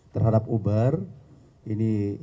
terhadap uber ini